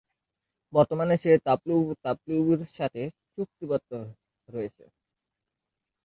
বর্তমানে সে ডাব্লিউডাব্লিউইর সাথে চুক্তিবদ্ধ রয়েছে।